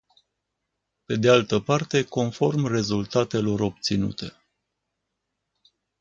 Pe de altă parte, conform rezultatelor obținute.